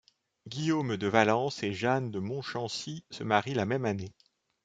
Guillaume de Valence et Jeanne de Montchensy se marient la même année.